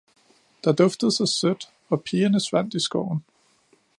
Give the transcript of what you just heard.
Der duftede så sødt, og pigerne svandt i skoven